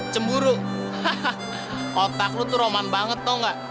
cemburu otak lo tuh roman banget tau gak